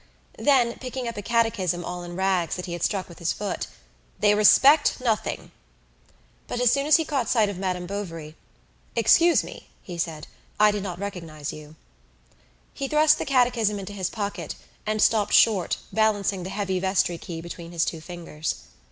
Then, picking up a catechism all in rags that he had struck with is foot, "They respect nothing!" But as soon as he caught sight of Madame Bovary, "Excuse me," he said; "I did not recognise you." He thrust the catechism into his pocket, and stopped short, balancing the heavy vestry key between his two fingers.